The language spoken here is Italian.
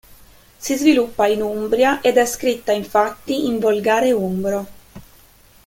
Si sviluppa in Umbria, ed è scritta infatti in volgare umbro.